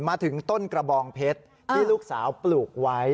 มาถึงต้นกระบองเพชรที่ลูกสาวปลูกไว้